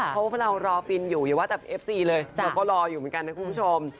เพราะว่าเรารอฟินอยู่อย่าว่าแต่เอฟซีเลยเราก็รออยู่เหมือนกันนะคุณผู้ชม